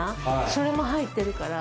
それも入ってるから。